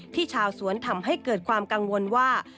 ชาวสวนทำให้เกิดความกังวลว่า